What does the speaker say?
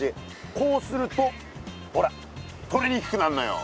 こうするとほらとれにくくなんのよ。